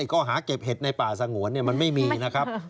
ข้อหาเก็บเห็ดในป่าสงวนมันไม่มีนะครับ